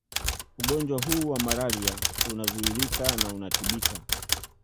Ugonjwa hu wa malaria unazuilika na unatibika